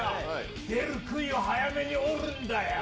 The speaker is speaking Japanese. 出るくいを早めに折るんだよ。